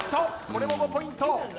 これも５ポイント。